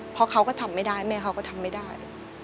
เพราะเขาก็ทำไม่ได้แม่เขาก็ทำไม่ได้